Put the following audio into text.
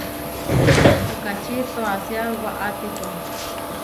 Puʼkáči toasía waʼátipo.